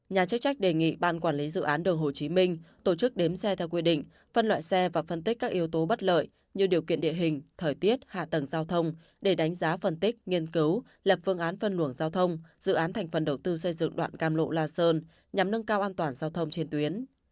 nhà chức trách đề nghị ban quản lý dự án đường hồ chí minh tổ chức đếm xe theo quy định phân loại xe và phân tích các yếu tố bất lợi như điều kiện địa hình thời tiết hạ tầng giao thông để đánh giá phân tích nghiên cứu lập phương án phân luồng giao thông dự án thành phần đầu tư xây dựng đoạn cam lộ la sơn nhằm nâng cao an toàn giao thông trên tuyến